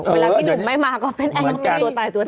เวลาพี่หนุ่มไม่มาก็เป็นแองจี้